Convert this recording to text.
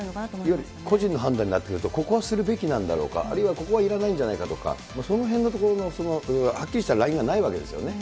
いわゆる個人の判断になってくると、ここはするべきなんだろうか、あるいはここはいらないんじゃないかとか、そのへんのところが、はっきりしたラインがないわけですよね。